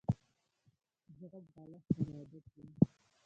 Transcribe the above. زه غټ بالښت سره عادت یم.